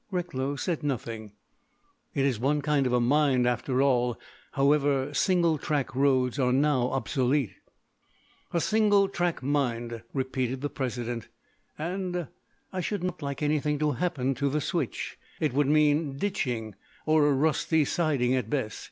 Recklow said nothing. It is one kind of mind, after all. However, single track roads are now obsolete. "A single track mind," repeated the President. "And—I should not like anything to happen to the switch. It would mean ditching—or a rusty siding at best....